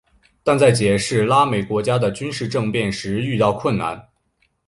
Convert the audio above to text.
但在解释拉美国家的军事政变时遇到困难。